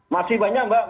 masih banyak mbak